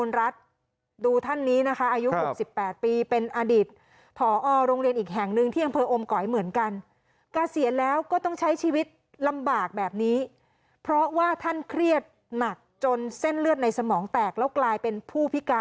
แล้วตอนนี้ต้องการแบกรับภาระหนี้ที่ครูผู้หญิงคนนึงเนี่ยตามรายงานบอกเป็นแม่ของดาราชายคนนึงเนี่ยสองท่านนี้ต้องอยู่อย่างยากลำบากค่ะ